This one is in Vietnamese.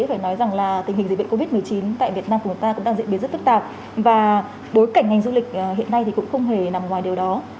việc covid một mươi chín tại việt nam của người ta cũng đang diễn biến rất phức tạp và bối cảnh ngành du lịch hiện nay thì cũng không hề nằm ngoài điều đó